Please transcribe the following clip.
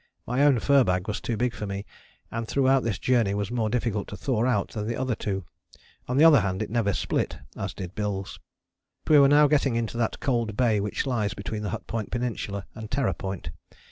My own fur bag was too big for me, and throughout this journey was more difficult to thaw out than the other two: on the other hand, it never split, as did Bill's. We were now getting into that cold bay which lies between the Hut Point Peninsula and Terror Point.